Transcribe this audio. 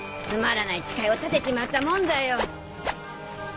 つまらない誓いを立てちまったもんだよ。